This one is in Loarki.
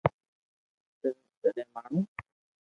صرف جڏهن ماڻهو